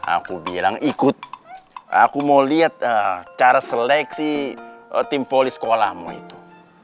aku bilang ikut aku mau lihat cara seleksi tim voli sekolahmu itu